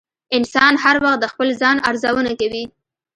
انسان هر وخت د خپل ځان ارزونه کوي.